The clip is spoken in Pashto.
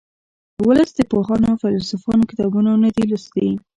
ولس د پوهانو او فیلسوفانو کتابونه نه دي لوستي